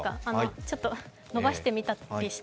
ちょっと伸ばしてみたりして。